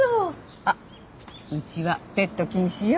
あっうちはペット禁止よ。